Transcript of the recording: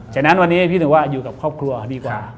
ฉะนั้นวันนี้พี่ถือว่าอยู่กับครอบครัวดีกว่า